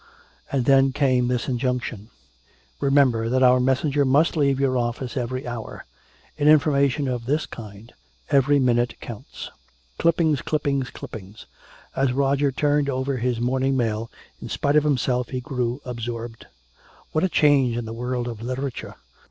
And then came this injunction: "Remember that our messenger must leave your office every hour. In information of this kind every minute counts." Clippings, clippings, clippings. As Roger turned over his morning mail, in spite of himself he grew absorbed. What a change in the world of literature.